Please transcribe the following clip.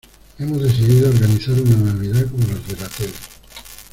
hemos decidido organizar una Navidad como las de la tele